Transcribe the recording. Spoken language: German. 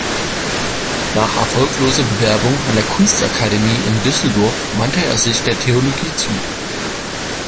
Nach erfolgloser Bewerbung an der Kunstakademie in Düsseldorf wandte er sich der Theologie zu.